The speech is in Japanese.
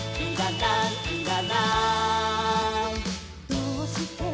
「どうして？